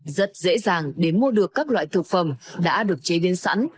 rất dễ dàng để mua được các loại thực phẩm đã được chế biến sẵn